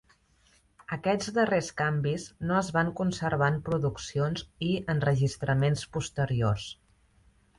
Aquests darrers canvis no es van conservar en produccions i enregistraments posteriors.